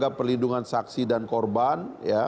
lembaga perlindungan saksi dan korban